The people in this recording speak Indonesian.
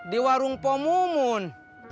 di warung pomumun